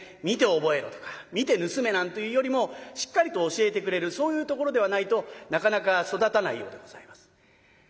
見て覚えろとか見て盗めなんていうよりもしっかりと教えてくれるそういうところではないとなかなか育たないようでございます。